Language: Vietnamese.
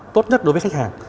tốt nhất đối với khách hàng